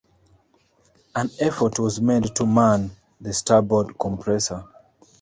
An effort was made to man the starboard compressor.